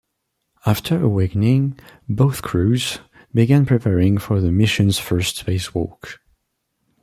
After awakening, both crews began preparing for the mission's first spacewalk.